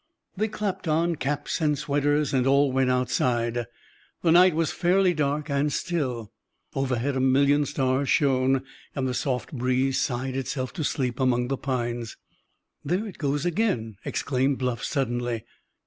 They clapped on caps and sweaters, and all went outside. The night was fairly dark, and still. Overhead a million stars shone and the soft breeze sighed itself to sleep among the pines. "There it goes again!" exclaimed Bluff suddenly.